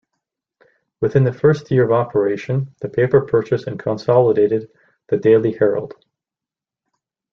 Within the first year of operation, the paper purchased and consolidated the "Daily Herald".